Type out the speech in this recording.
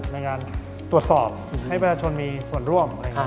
ในการตรวจสอบให้ประชาชนมีส่วนร่วม